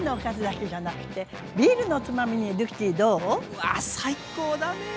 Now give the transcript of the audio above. うわっ最高だね。